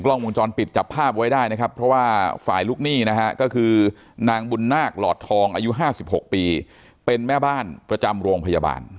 กล้องวงจรปิดจับภาพไว้ได้นะครับเพราะว่าฝ่ายลูกหนี้นะฮะก็คือนางบุญนาคหลอดทองอายุ๕๖ปีเป็นแม่บ้านประจำโรงพยาบาล